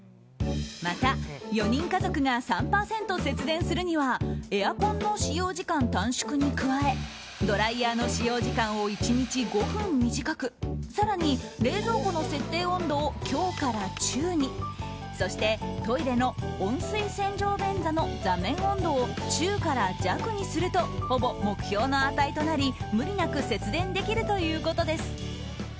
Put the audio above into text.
また、４人家族が３％節電するにはエアコンの使用時間短縮に加えドライヤーの使用時間を１日５分短く更に、冷蔵庫の設定温度を強から中にそして、トイレの温水洗浄便座の座面温度を中から弱にするとほぼ目標の値となり、無理なく節電できるということです。